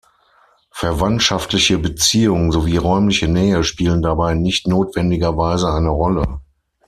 Verwandtschaftliche Beziehung sowie räumliche Nähe spielen dabei nicht notwendigerweise eine Rolle.